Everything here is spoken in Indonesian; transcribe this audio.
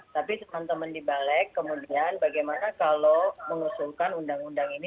tapi teman teman di balik kemudian bagaimana kalau mengusulkan undang undang ini